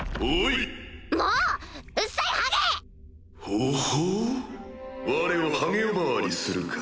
ほほう我をハゲ呼ばわりするか。